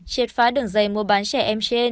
triệt phá đường dây mua bán trẻ em trên